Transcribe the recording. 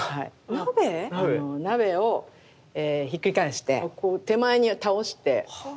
鍋⁉鍋をひっくり返して手前に倒して。